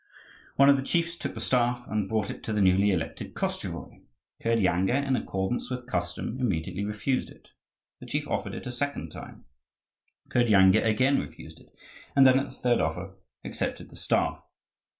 One of the chiefs took the staff and brought it to the newly elected Koschevoi. Kirdyanga, in accordance with custom, immediately refused it. The chief offered it a second time; Kirdyanga again refused it, and then, at the third offer, accepted the staff.